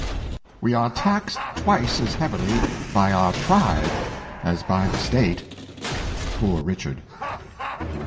We are taxed twice as heavily by our pride as by the state.'' — Poor Richard.